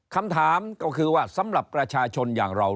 คำถามก็คือว่าสำหรับประชาชนอย่างเรา